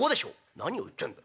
「何を言ってんだ。